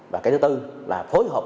và cái thứ tư là phối hợp